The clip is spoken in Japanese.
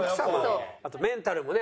あとメンタルもね。